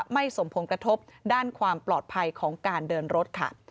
สมผงกระทบด้านความปลอดภัยของการเดินรถค่ะ